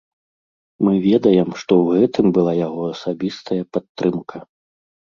Мы ведаем, што ў гэтым была яго асабістая падтрымка.